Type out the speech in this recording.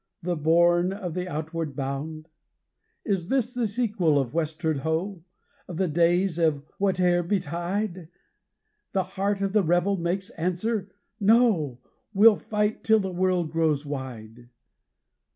the bourne of the Outward Bound? Is this the sequel of Westward Ho! of the days of Whate'er Betide? The heart of the rebel makes answer 'No! We'll fight till the world grows wide!'